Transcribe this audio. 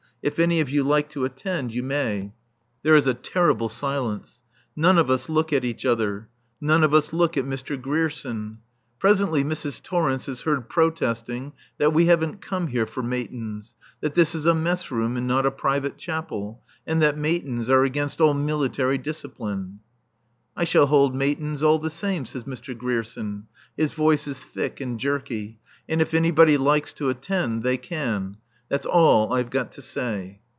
If any of you like to attend you may." There is a terrible silence. None of us look at each other. None of us look at Mr. Grierson. Presently Mrs. Torrence is heard protesting that we haven't come here for Matins; that this is a mess room and not a private chapel; and that Matins are against all military discipline. "I shall hold Matins all the same," says Mr. Grierson. His voice is thick and jerky. "And if anybody likes to attend, they can. That's all I've got to say."